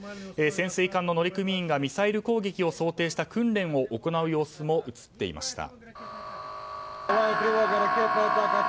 潜水艦の乗組員がミサイル攻撃を想定した訓練を行う様子も映っていました。